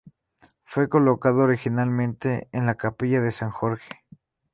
Fue colocado originalmente en la Capilla de San Jorge.